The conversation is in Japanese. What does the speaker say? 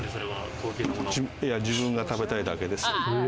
自分が食べたいだけです。